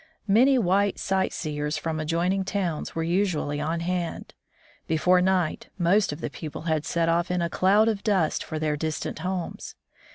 Many white sight seers from adjoining towns were usually on hand. Before night, most of the people had set off in a cloud of dust for their distant homes.